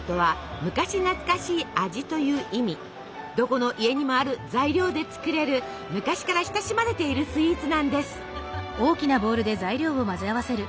どこの家にもある材料で作れる昔から親しまれているスイーツなんです。